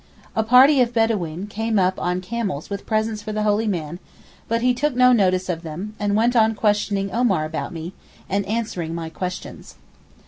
A party of Bedaween came up on camels with presents for the holy man, but he took no notice of them, and went on questioning Omar about me, and answering my questions.